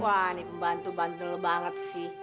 wah ini pembantu bantu lo banget sih